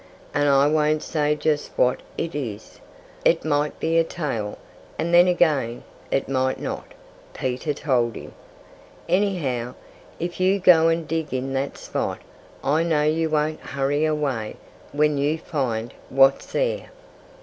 And I won't say just what it is. It might be a tail; and then again, it might not," Peter told him. "Anyhow, if you go and dig in that spot, I know you won't hurry away, when you find what's there."